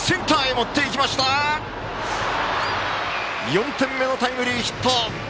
４点目のタイムリーヒット！